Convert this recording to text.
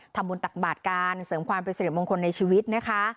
ทำบุญตักบาทการเสริมความเป็นเสร็จมงคลในชีวิตนะคะ